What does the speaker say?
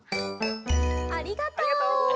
ありがとう。